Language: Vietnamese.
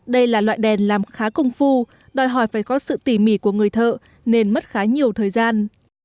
đây là loại đèn làm khá công phu đòi hỏi phải có sự tỉ mỉ của người thợ nên mất khá nhiều thời gian